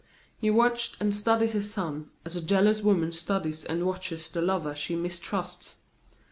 He watched and studied his son as a jealous woman studies and watches the lover she mistrusts.